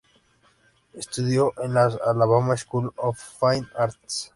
Estudió en la Alabama School of Fine Arts.